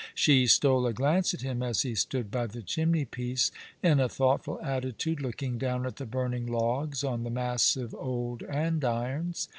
She stole a glance at him as he stood by the chimney piece, in a thoughtful attitude, looking down at the burning logs on the massive old andirons.